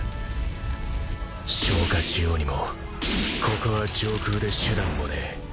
消火しようにもここは上空で手段もねえ。